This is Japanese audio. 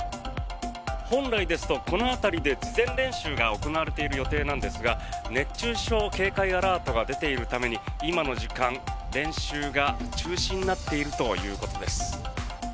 本来ですとこの辺りで事前練習が行われている予定なんですが熱中症警戒アラートが出ているために今の時間、練習が中止になっているということです。